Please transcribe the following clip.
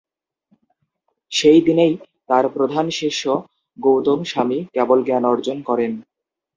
সেই দিনেই তাঁর প্রধান শিষ্য গৌতম স্বামী কেবল জ্ঞান অর্জন করেন।